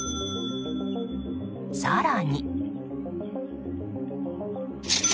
更に。